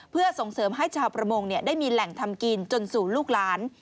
เพื่อส่งเสริมให้ชาวประมงได้มีแหล่งทำกินจนสู่ลูกหลาน